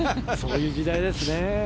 そういう時代ですね。